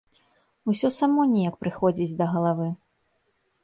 Усё само неяк прыходзіць да галавы.